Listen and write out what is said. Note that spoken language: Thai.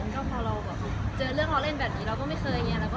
ก็พอเราเจอเรื่องล้อเล่นแบบนี้เราก็ไม่เคย